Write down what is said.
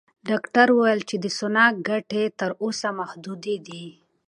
ډاکټره وویل چې د سونا ګټې تر اوسه محدودې دي.